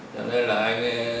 cho nên là anh ấy